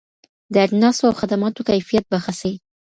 د اجناسو او خدماتو کيفيت به ښه سي.